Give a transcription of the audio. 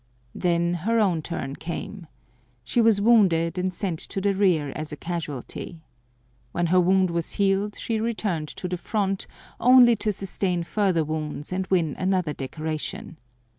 Then her own turn came. She was wounded and sent to the rear as a casualty. When her wound was healed she returned to the front, only to sustain further wounds and win another decoration.